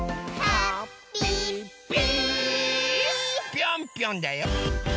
ぴょんぴょんだよ！